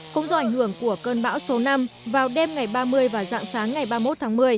cũng do ảnh hưởng của cơn bão số năm vào đêm ngày ba mươi và dạng sáng ngày ba mươi một tháng một mươi